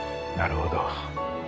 なるほど。